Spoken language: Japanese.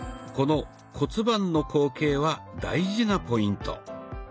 この骨盤の後傾は大事なポイント。